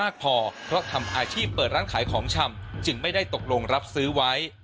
ขายของช่ำจึงไม่ได้ตกลงรับซื้อไว้